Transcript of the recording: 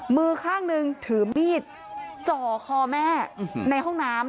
มือข้างหนึ่งถือมีดจ่อคอแม่ในห้องน้ำ